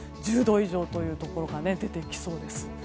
１０度以上というところが出てきそうです。